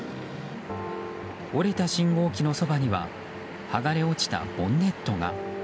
折れた信号機の傍には剥がれ落ちたボンネットが。